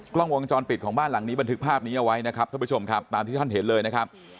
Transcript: กล้องวงจรปิดของบ้านหลังนี้บันทึกภาพนี้เอาไว้นะครับท่านผู้ชมครับตามที่ท่านเห็นเลยนะครับ